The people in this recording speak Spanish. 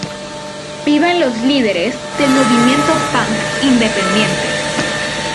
Vivan los líderes del Movimiento Punk Independiente.